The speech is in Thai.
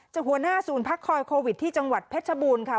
หัวหน้าศูนย์พักคอยโควิดที่จังหวัดเพชรบูรณ์ค่ะ